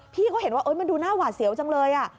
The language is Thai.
พี่เขาเห็นว่ามันดูหน้าหวาดเสียวจังเลย